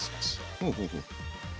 ほうほうほう。